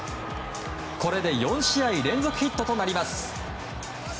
これで４試合連続ヒットとなります。